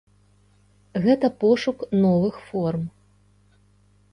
Гэта пошук новых форм.